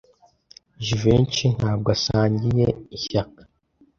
Jivency ntabwo asangiye ishyaka.